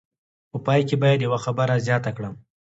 په پای کې باید یوه خبره زیاته کړم.